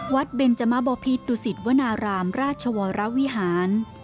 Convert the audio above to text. เบนจมบพิษดุสิตวนารามราชวรวิหาร